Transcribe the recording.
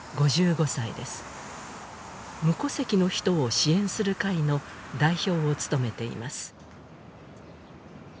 ５５歳です「無戸籍の人を支援する会」の代表を務めています